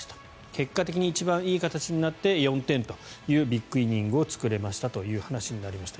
結果的に一番いい形になって４点というビッグイニングを作れましたという話になりました。